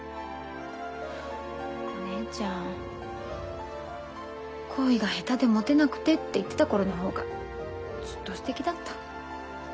お姉ちゃん恋が下手でもてなくてって言ってた頃の方がずっとすてきだった。